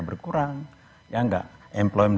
berkurang ya enggak employment